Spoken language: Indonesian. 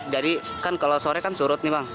jadi kan kalau sore kan surut nih bang